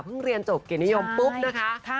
เพิ่งเรียนจบเกียรตินิยมปุ๊บนะคะ